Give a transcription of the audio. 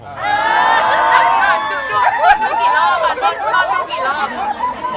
มานี่ลุยตดต้นตุ๊ดตุ๊บกี่รอบ